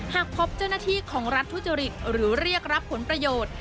หากพบเจ้าหน้าที่ของรัฐทุจริตหรือเรียกรับผลประโยชน์